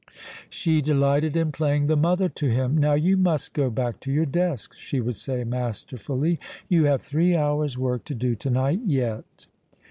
She delighted in playing the mother to him. "Now you must go back to your desk," she would say masterfully. "You have three hours' work to do to night yet."